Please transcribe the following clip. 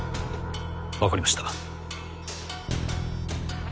わかりました。